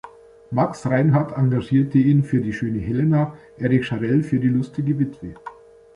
Max Reinhardt engagierte ihn für "Die schöne Helena", Erik Charell für "Die lustige Witwe".